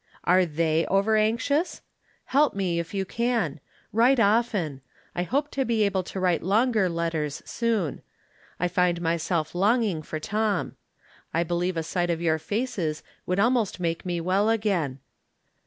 Are tliey over anxious ? Help me, if you can. Write often. I hope to be able to write longer letters soon. I find my self longing for Tom. I believe a sight of your faces would almost make me well again.